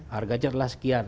harganya adalah sekian